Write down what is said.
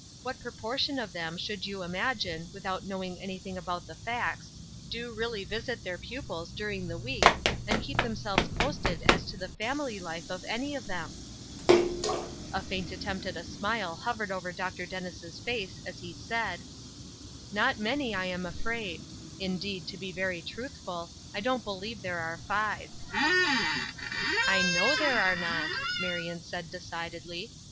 What proportion of them, should you imagine, without knowing anything about the facts, do really visit their pupils during the week and keep themselves posted as to the family life of any of them?" A faint attempt at a smile hovered over Dr. Dennis' face as he said: "Not many I am afraid. Indeed, to be very truthful, I don't believe there are five." "I know there are not," Marion said, decidedly.